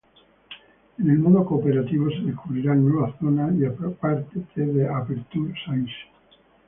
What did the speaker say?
En el modo cooperativo se descubrirán nuevas zonas y partes de Aperture Science.